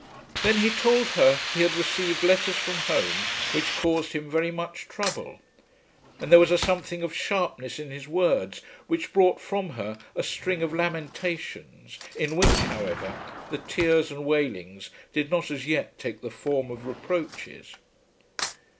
Then he told her he had received letters from home which caused him very much trouble; and there was a something of sharpness in his words, which brought from her a string of lamentations in which, however, the tears and wailings did not as yet take the form of reproaches.